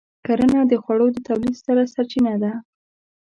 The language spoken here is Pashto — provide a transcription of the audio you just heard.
کرنه د خوړو د تولید ستره سرچینه ده.